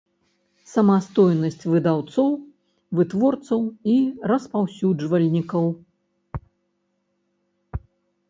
Самастойнасць выдаўцоў, вытворцаў i распаўсюджвальнiкаў.